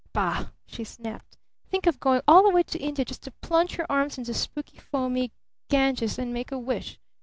"Bah!" she snapped. "Think of going all the way to India just to plunge your arms into the spooky, foamy Ganges and 'make a wish'!